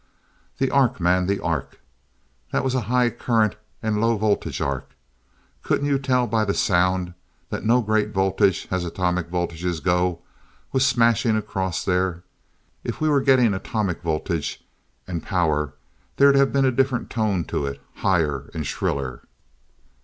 "The arc, man, the arc. That was a high current, and low voltage arc. Couldn't you tell by the sound that no great voltage as atomic voltages go was smashing across there? If we were getting atomic voltage and power there'd have been a different tone to it, high and shriller.